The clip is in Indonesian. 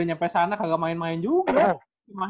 nyampe sana kagak main main juga